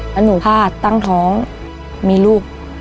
แล้วหนูพลาดตั้งท้องมีลูก